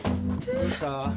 どうした？